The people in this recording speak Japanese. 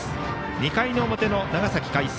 ２回の表の長崎・海星。